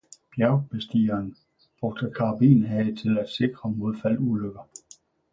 Bjergbestigeren brugte karabinhage til at sikre mod faldulykker.